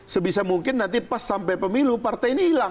sebisa mungkin nanti pas sampai pemilu partai ini hilang